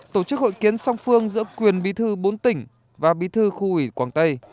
tổ chức hội kiến song phương giữa quyền bí thư bốn tỉnh và bí thư khu ủy quảng tây